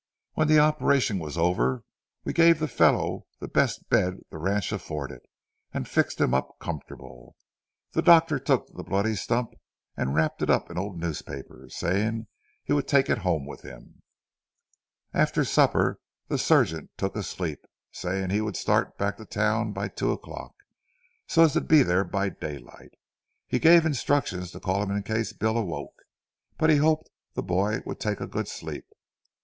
When the operation was over, we gave the fellow the best bed the ranch afforded and fixed him up comfortable. The doctor took the bloody stump and wrapped it up in an old newspaper, saying he would take it home with him. "After supper the surgeon took a sleep, saying we would start back to town by two o'clock, so as to be there by daylight. He gave instructions to call him in case Bill awoke, but he hoped the boy would take a good sleep.